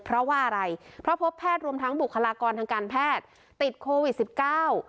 เพราะว่าอะไรเพราะพบแพทย์รวมทั้งบุคลากรทางการแพทย์ติดโควิดสิบเก้า